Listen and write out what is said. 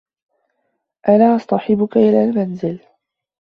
أنا أصطحبك إلى المنزل.